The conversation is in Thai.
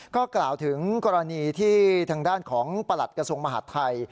ก็กล่าวถึงกรณีที่ทางด้านของประหลัดกระทรวงมหาดไทย